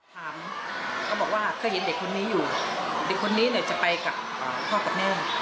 ถามเขาบอกว่าเคยเห็นเด็กคนนี้อยู่เด็กคนนี้เนี่ยจะไปกับพ่อกับแม่